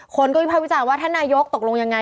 คนก็มีความวิจารณ์ว่าถ้านายกตกลงยังไง